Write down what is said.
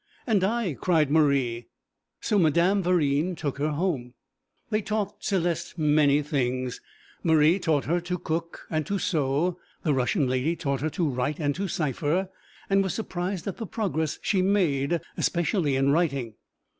'And I,' cried Marie. So Madame Verine took her home. They taught Céleste many things. Marie taught her to cook and to sew; the Russian lady taught her to write and to cipher, and was surprised at the progress she made, especially in writing.